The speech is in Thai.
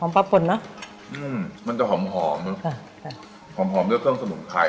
ปลาป่นเนอะอืมมันจะหอมหอมเนอะค่ะหอมหอมด้วยเครื่องสมุนไพร